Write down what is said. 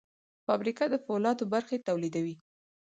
فابریکه د فولادو برخې تولیدوي.